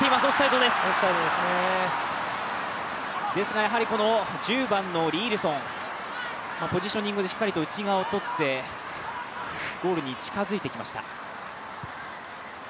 ですが１０番のリ・イルソン、ポジショニングでしっかりと内側をとってゴールに近づいてきました。